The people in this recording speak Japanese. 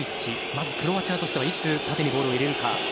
まずクロアチアとしてはいつ縦にボールを入れるか。